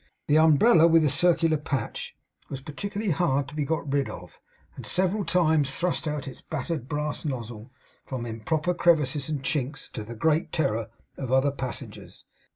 The umbrella with the circular patch was particularly hard to be got rid of, and several times thrust out its battered brass nozzle from improper crevices and chinks, to the great terror of the other passengers.